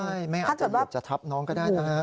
ใช่แม่อาจจะเหยียบจะทับน้องก็ได้นะฮะ